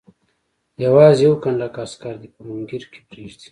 یوازې یو کنډک عسکر دې په مونګیر کې پرېږدي.